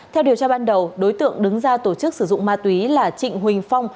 theo điều tra ban đầu đối tượng đứng ra tổ chức sử dụng ma túy là trịnh huỳnh phong